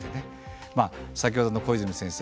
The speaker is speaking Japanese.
先ほどの小泉先生